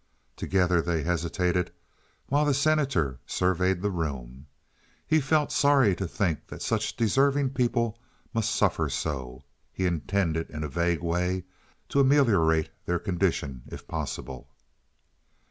Together they hesitated while the Senator surveyed the room. He felt sorry to think that such deserving people must suffer so; he intended, in a vague way, to ameliorate their condition if possible.